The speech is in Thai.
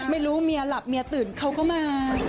ไม่รู้เมียหลับเมียตื่นเขาก็มา